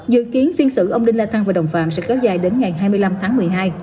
dự kiến phiên xử ông đinh la thăng và đồng phạm sẽ kéo dài đến ngày hai mươi năm tháng một mươi hai